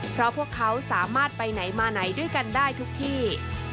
เพราะพวกเขาสามารถไปไหนมาไหนด้วยกันได้ทุกที่